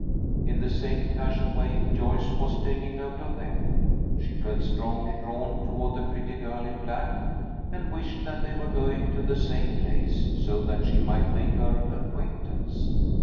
In the same casual way, Joyce was taking note of them. She felt strongly drawn toward the pretty girl in black, and wished that they were going to the same place, so that she might make her acquaintance.